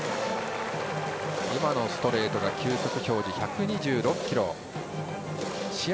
今のストレートが球速表示１２６キロでした。